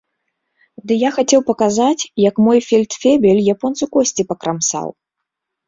Ды я хацеў паказаць, як мой фельдфебель японцу косці пакрамсаў.